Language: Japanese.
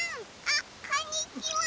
あっこんにちは！